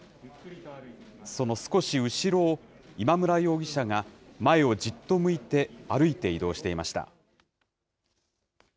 その少し後ろを、今村容疑者が前をじっと向いて歩いて移動していました。